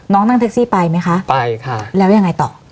นั่งแท็กซี่ไปไหมคะไปค่ะแล้วยังไงต่อ